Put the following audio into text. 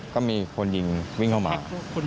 ก็มีคนยิงวิ่งเข้ามา